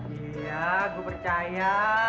iya gue percaya